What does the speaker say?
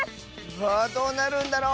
わあどうなるんだろ。